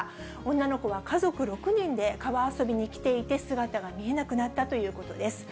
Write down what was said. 女の子は家族６人で川遊びに来ていて、姿が見えなくなったということです。